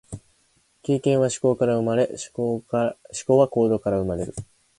経験は思考から生まれ、思考は行動から生まれる。